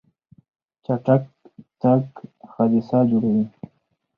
چټک تګ حادثه جوړوي.